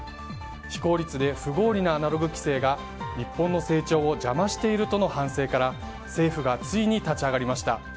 非効率で不合理なアナログ規制が日本の成長を邪魔しているとの反省から政府がついに立ち上がりました。